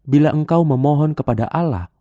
bila engkau memohon kepada allah